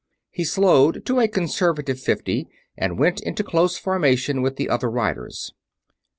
He slowed to a conservative fifty and went into close formation with the other riders.